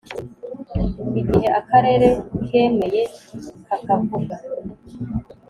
igihe akarere kemeye kakavuga